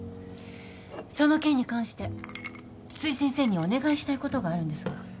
その件に関して津々井先生にお願いしたいことがあるんですが。